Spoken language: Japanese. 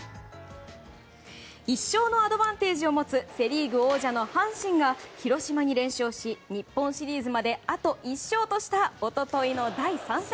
１勝のアドバンテージを持つセ・リーグ王者の阪神が広島に連勝し日本シリーズまであと１勝とした一昨日の第３戦。